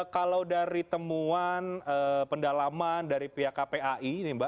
kalau dari temuan pendalaman dari pihak kpai